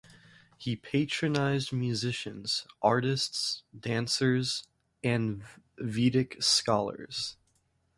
He patronized musicians, artists, dancers, and Vedic scholars.